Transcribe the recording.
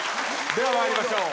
では参りましょう。